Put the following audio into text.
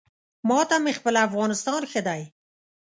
ما ته مې خپل افغانستان ښه دی